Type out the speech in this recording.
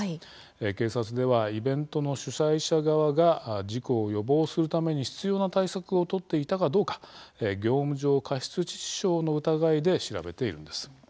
警察ではイベントの主催者側が事故を予防するために必要な対策を取っていたかどうか業務上過失致死傷の疑いで調べているんです。